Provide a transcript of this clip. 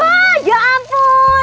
wah ya ampun